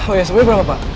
oh iya semuanya berapa pak